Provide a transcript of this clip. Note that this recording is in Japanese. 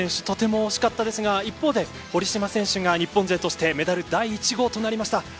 とても惜しかったですが一方で、堀島選手が日本勢としてメダル第１号となりました。